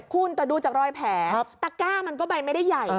คุณแต่ดูจากรอยแผลตะก้ามันก็ใบไม่ได้ใหญ่